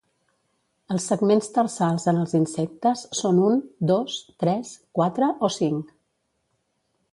Els segments tarsals en els insectes són un, dos, tres, quatre o cinc.